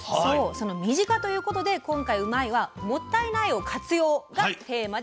その身近ということで今回「うまいッ！」は「もったいない！を活用」がテーマでございます。